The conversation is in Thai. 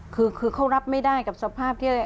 คือเขารับไม่ได้กับสภาพที่